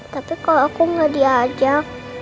tapi kalau aku nggak diajak